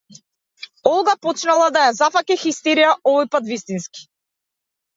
Олга почнала да ја зафаќа хистерија, овојпат вистински.